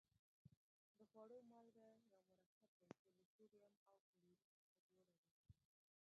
د خوړلو مالګه یو مرکب دی چې له سوډیم او کلورین څخه جوړه ده.